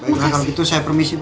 baiklah kalau gitu saya permisi bu